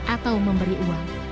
atau memberi uang